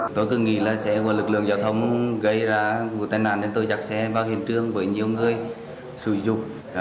tôi cứ nghĩ là sẽ có lực lượng giao thông gây ra một tai nạn nên tôi chắc sẽ vào hiện trường với nhiều người sử dụng